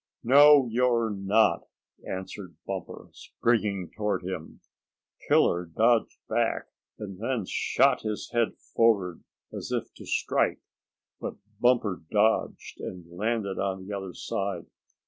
"No, you're not," answered Bumper, springing toward him. Killer dodged back and then shot his head forward as if to strike, but Bumper dodged and landed on the other side.